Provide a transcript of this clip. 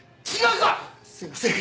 すみません。